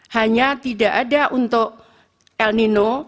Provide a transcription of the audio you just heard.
hanya tidak ada untuk el nino